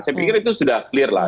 saya pikir itu sudah clear lah